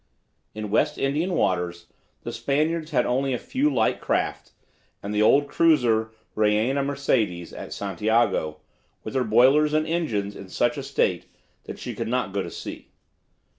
In West Indian waters the Spaniards had only a few light craft and the old cruiser "Reina Mercedes" at Santiago, with her boilers and engines in such a state that she could not go to sea.